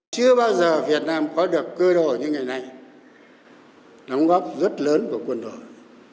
chưa bao giờ việt nam có được cơ độ như ngày này đóng góp rất lớn của quân đội